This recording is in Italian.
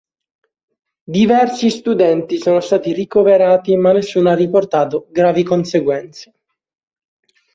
Diversi studenti sono stati ricoverati ma nessuno ha riportato gravi conseguenze.